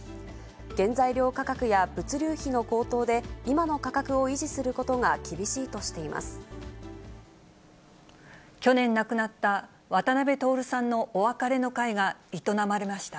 原材料価格や物流費の高騰で、今の価格を維持することが厳しい去年亡くなった、渡辺徹さんのお別れの会が営まれました。